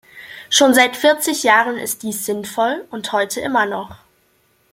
Schon seit vierzig Jahren ist dies sinnvoll und heute immer noch.